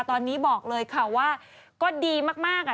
ตอนนี้บอกเลยค่ะว่าก็ดีมากอ่ะ